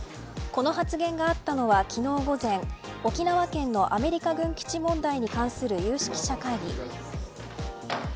この発言があったのが昨日午前沖縄県のアメリカ軍基地問題に関する有識者会議。